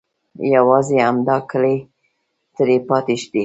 یوازې همدا کلی ترې پاتې دی.